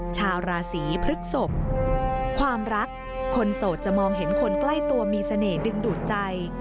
ชาวราศีพฤกษพความรักคนโสดจะมองเห็นคนใกล้ตัวมีเสน่หดึงดูดใจ